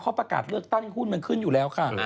เขาประกาศเลือกตั้งหุ้นมันขึ้นอยู่แล้วค่ะ